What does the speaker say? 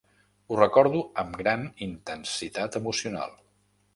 Ho recordo amb gran intensitat emocional.